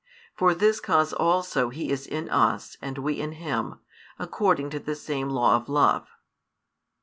For this cause also He is in us and we in Him, according to the same law of love.